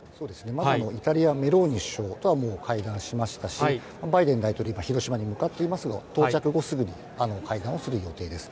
まずイタリア、メローニ首相とはもう会談しましたし、バイデン大統領、今、広島に向かっていますが、到着後すぐに会談をする予定です。